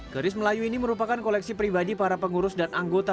keris melayu ini merupakan koleksi pribadi para pengurus dan anggota